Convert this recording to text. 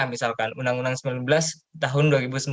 misalkan undang undang sembilan belas tahun dua ribu sembilan